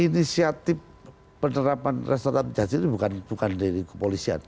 inisiatif penerapan restoratif justice itu bukan dari kepolisian